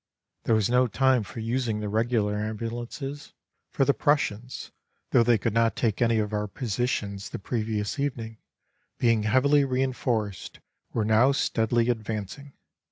There was no time for using the regular ambulances, for the Prussians, though they could not take any of our positions the previous evening, being heavily reinforced were now steadily advancing.